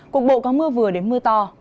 cục bộ có mưa vừa đến mưa to